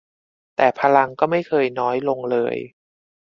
แต่พลังก็ไม่เคยน้อยลงเลย